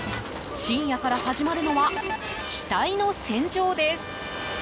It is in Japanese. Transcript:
深夜から始まるのは機体の洗浄です。